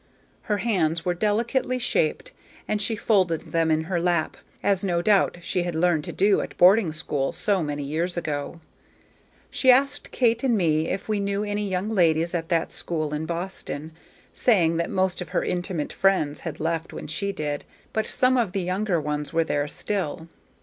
Her hands were delicately shaped, and she folded them in her lap, as no doubt she had learned to do at boarding school so many years before. She asked Kate and me if we knew any young ladies at that school in Boston, saying that most of her intimate friends had left when she did, but some of the younger ones were there still.